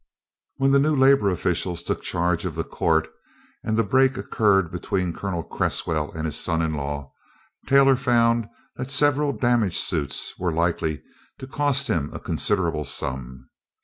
When the new labor officials took charge of the court and the break occurred between Colonel Cresswell and his son in law, Taylor found that several damage suits were likely to cost him a considerable sum.